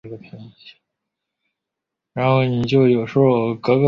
野雉尾金粉蕨为中国蕨科金粉蕨属下的一个种。